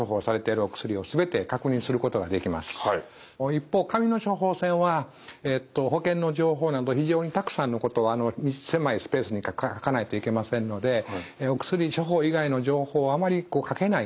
一方紙の処方箋は保険の情報など非常にたくさんのことをあの狭いスペースに書かないといけませんのでお薬処方以外の情報をあまり書けないんですね。